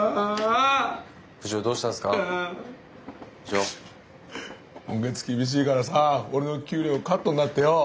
今月厳しいからさ俺の給料カットになってよ。